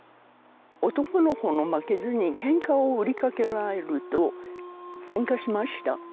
男の子にも負けずにケンカを売りかけられるとケンカしました